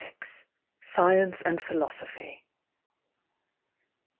333 ) SCIENCE AND PHILOSOPHY.